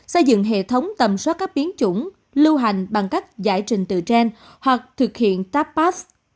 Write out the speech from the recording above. xây dựng hệ thống tầm soát các biến chủng lưu hành bằng cách giải trình tự trên hoặc thực hiện tap path